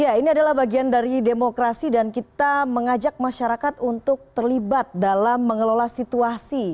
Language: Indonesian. ya ini adalah bagian dari demokrasi dan kita mengajak masyarakat untuk terlibat dalam mengelola situasi